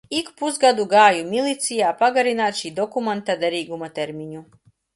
Ik pusgadu gāju milicijā pagarināt šī dokumenta derīguma termiņu.